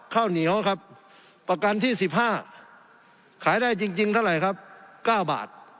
ข้าวเหนียวครับประกันที่๑๕ขายได้จริงเท่าไหร่ครับ๙บาท